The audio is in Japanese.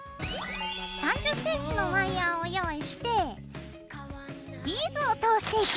３０ｃｍのワイヤーを用意してビーズを通していきます。